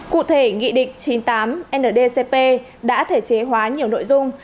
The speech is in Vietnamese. cụ thể nghị định chín mươi tám ndcp đã thể chế hóa nhiều nội dung